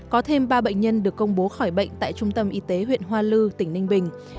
có thêm ba bệnh nhân được công bố khỏi bệnh tại trung tâm y tế huyện hoa lư tỉnh ninh bình